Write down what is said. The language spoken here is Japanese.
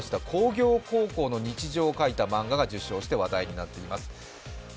工業高校の日常を描いた漫画が受賞して話題になっています。